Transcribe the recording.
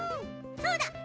そうだ。